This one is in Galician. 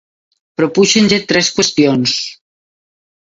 Propúxenlle tres cuestións.